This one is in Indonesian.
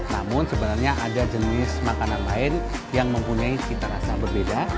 namun sebenarnya ada jenis makanan lain yang mempunyai cita rasa berbeda